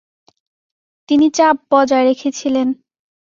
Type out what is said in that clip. তিনি চাপ বজায় রেখেছিলেন।